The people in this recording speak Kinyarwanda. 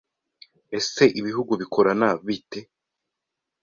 ese ibihugu bikorana bite